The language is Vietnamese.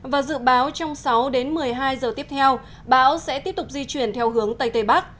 và dự báo trong sáu đến một mươi hai giờ tiếp theo bão sẽ tiếp tục di chuyển theo hướng tây tây bắc